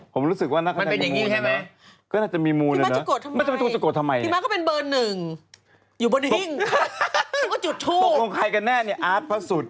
ผมรู้สึกว่านักกำลังจะมรุมนะเนอะไปแบบนี้พี่มาแก้ววาส